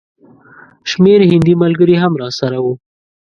شمېر هندي ملګري هم راسره وو.